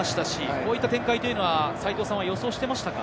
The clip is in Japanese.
こういった展開、予想していましたか？